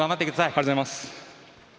ありがとうございます。